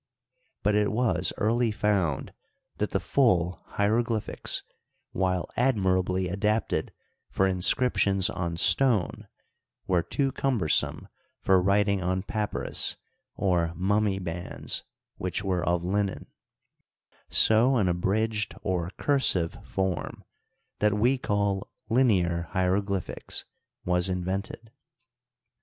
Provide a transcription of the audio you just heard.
But it was early found that the full hieroglyphics, while admirably adapted for inscriptions on stone, were too cumbersome for writing on papjrrus or mummy bands (which were of linen), so an abridged or cursive form, that we call linear hieroglyphics^ was invented.